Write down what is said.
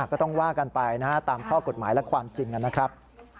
ก็ต้องว่ากันไปนะฮะตามข้อกฎหมายและความจริงนะครับ